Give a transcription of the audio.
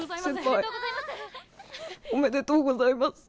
先輩おめでとうございます。